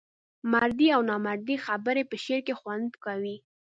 مردۍ او نامردۍ خبري په شعر کې خوند کوي.